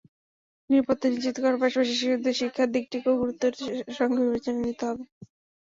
নিরাপত্তা নিশ্চিত করার পাশাপাশি শিশুদের শিক্ষার দিকটিকেও গুরুত্বের সঙ্গে বিবেচনায় নিতে হবে।